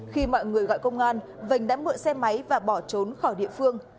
khi mọi người gọi công an vành đã mượn xe máy và bỏ trốn khỏi địa phương